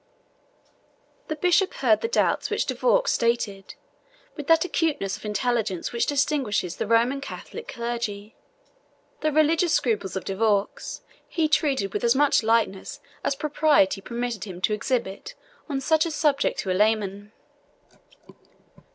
The bishop heard the doubts which De Vaux stated, with that acuteness of intelligence which distinguishes the Roman Catholic clergy. The religious scruples of De Vaux he treated with as much lightness as propriety permitted him to exhibit on such a subject to a layman.